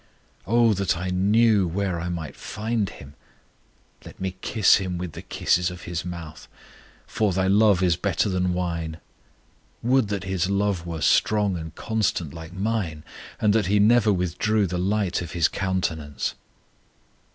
"'Oh that I knew where I might find Him!' 'Let Him kiss me with the kisses of His mouth: for Thy love is better than wine.' Would that His love were strong and constant like mine, and that He never withdrew the light of His countenance!"